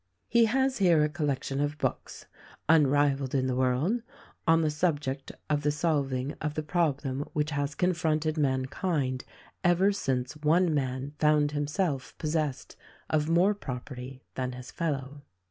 "He has here a collection of books — unrivaled in the world — on the subject of the solving of the problem which has confronted mankind ever since one man found himself possessed of more property than his fellow.